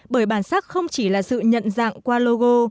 bởi bản sắc không chỉ là sự nhận dạng qua logo